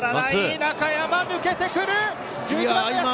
中山抜けてくる。